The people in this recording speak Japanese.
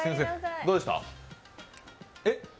どうでした？え？